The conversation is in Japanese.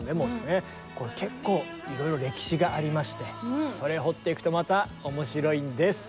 これ結構いろいろ歴史がありましてそれ掘っていくとまた面白いんです。